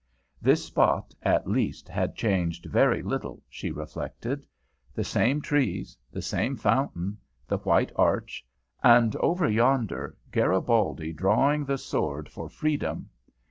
This spot, at least, had changed very little, she reflected; the same trees, the same fountain, the white arch, and over yonder, Garibaldi, drawing the sword for freedom.